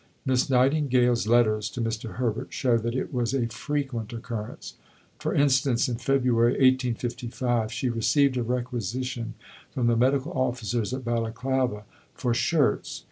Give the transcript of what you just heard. Miss Nightingale's letters to Mr. Herbert show that it was a frequent occurrence. For instance, in February 1855, she received a requisition from the medical officers at Balaclava for shirts.